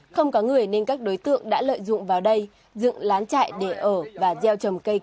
không có người nên các đối tượng đã lợi dụng vào đây dựng lán chạy để ở và gieo